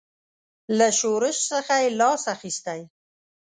له شورش څخه یې لاس اخیستی.